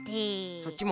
そっちも。